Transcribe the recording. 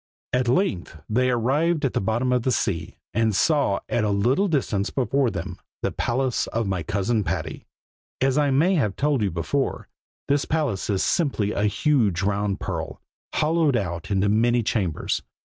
At length they arrived at the bottom of the sea, and saw at a little distance before them, the palace of my cousin Patty. As I may have told you before, this palace is simply a huge round pearl, hollowed out into many chambers.